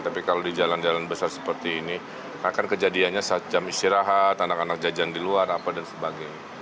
tapi kalau di jalan jalan besar seperti ini akan kejadiannya saat jam istirahat anak anak jajan di luar apa dan sebagainya